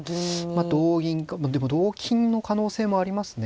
まあ同銀かでも同金の可能性もありますね。